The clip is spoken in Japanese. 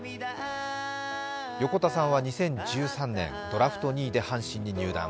横田さんは２０１３年、ドラフト２位で阪神に入団。